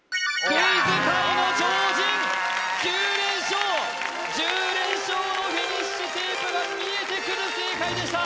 クイズ界の超人９連勝１０連勝のフィニッシュテープが見えてくる正解でした・